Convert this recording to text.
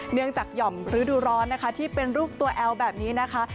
เนื่องจากหย่อมฤดูร้อนที่เป็นรูปตัวแอวแบบนี้นะคะ